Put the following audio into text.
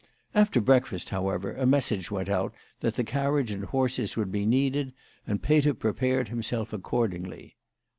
After breakfast, however, a message went out that the car riage and horses would be needed, and Peter prepared himself accordingly.